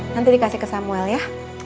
nanti dikasih ke samuel ya